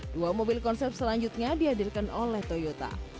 dua mobil konsep selanjutnya dihadirkan oleh toyota